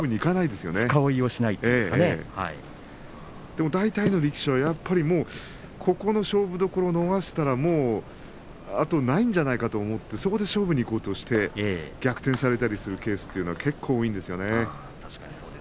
でも大体の力士はここで勝負どころを逃したら後がないんじゃないかと思ってそこで勝負にいこうとして逆転されたりするというケースがよくあるんですよね。